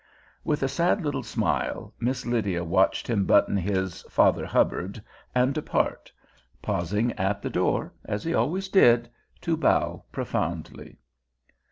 With a sad little smile Miss Lydia watched him button his "Father Hubbard" and depart, pausing at the door, as he always did, to bow profoundly.